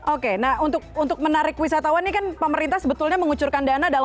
oke nah untuk menarik wisatawan ini kan pemerintah sebetulnya mengucurkan dana